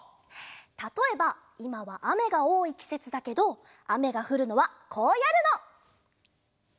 たとえばいまはあめがおおいきせつだけどあめがふるのはこうやるの。